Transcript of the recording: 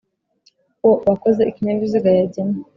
'uwo uwakoze ikinyabiziga yagennye.